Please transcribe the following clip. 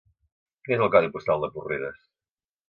Quin és el codi postal de Porreres?